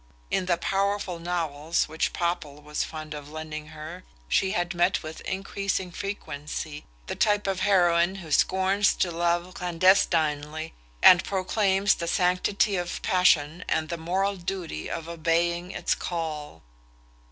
In the "powerful" novels which Popple was fond of lending her she had met with increasing frequency the type of heroine who scorns to love clandestinely, and proclaims the sanctity of passion and the moral duty of obeying its call.